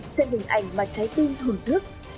xem hình ảnh mà trái tim thưởng thức